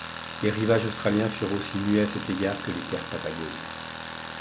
Les rivages australiens furent aussi muets à cet égard que les terres patagones.